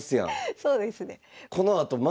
そうですね。